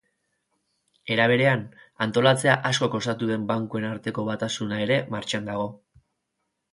Era berean, antolatzea asko kostatu den bankuen arteko batasuna ere martxan dago.